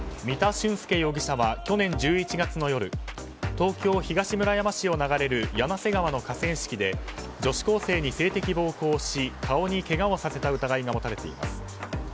三田駿介容疑者は去年１１月の夜東京・東村山市を流れる柳瀬川の河川敷で女子高生に性的暴行をし顔にけがをさせた疑いが持たれています。